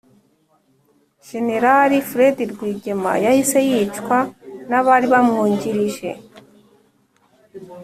jenerali fred rwigema yahise yicwa n'abari bamwungirije